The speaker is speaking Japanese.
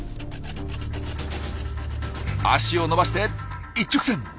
足を伸ばして一直線！